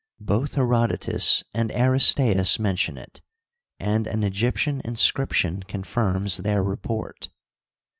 Both Herodotus and Aristeas mention it, and an Egyptian inscription confirms their report.